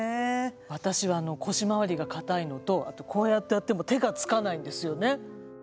私は腰回りがかたいのとこうやってやっても手がつかないんですよね。